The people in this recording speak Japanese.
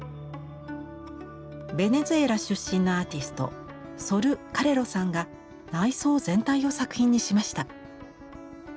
ベネズエラ出身のアーティストソル・カレロさんが内装全体を作品にしました。